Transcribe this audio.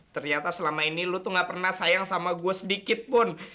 ternyata selama ini lo tuh gak pernah sayang sama gue sedikit pun